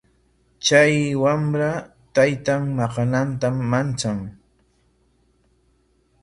Chay wamra taytan maqananta manchan.